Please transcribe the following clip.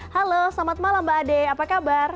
halo selamat malam mbak ade apa kabar